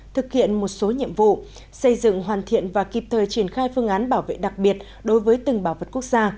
thực hiện một số nhiệm vụ xây dựng hoàn thiện và kịp thời triển khai phương án bảo vệ đặc biệt đối với từng bảo vật quốc gia